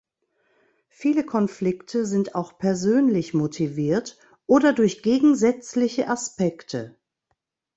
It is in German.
Viele Konflikte sind auch persönlich motiviert oder durch gegensätzliche Aspekte.